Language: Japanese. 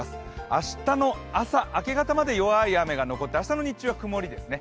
明日の朝、明け方まで弱い雨が残って明日の日中は曇りですね。